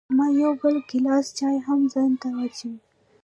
ما یو بل ګیلاس چای هم ځان ته واچوه.